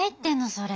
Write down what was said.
それ。